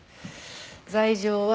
罪状は。